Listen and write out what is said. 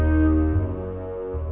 maaf nunggunya lama